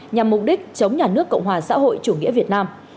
nhằm mục đích chống nhà nước cộng hòa xã hội chủ nghĩa việt nam